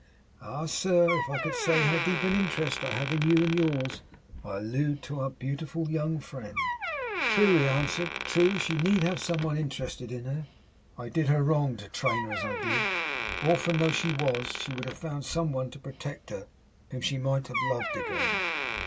'Ah, sir! If I could say how deep an interest I have in you and yours! I allude to our beautiful young friend.' 'True,' he answered. 'True. She need have some one interested in her. I did her wrong to train her as I did. Orphan though she was, she would have found some one to protect her whom she might have loved again.